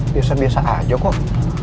biasa biasa aja kok